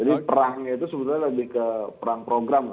jadi perangnya itu sebenarnya lebih ke perang program